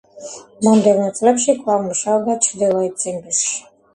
მომდევნო წლებში კვლავ მუშაობდა ჩრდილოეთ ციმბირში.